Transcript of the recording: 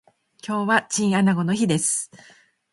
今日はチンアナゴの日です